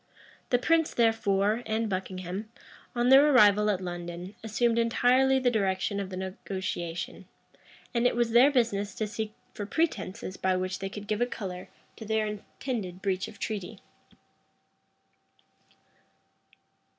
The prince, therefore, and Buckingham, on their arrival at London, assumed entirely the direction of the negotiation; and it was their business to seek for pretences by which they could give a color to their intended breach of treaty.